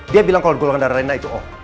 dia bilang kalau golongan darah rena itu o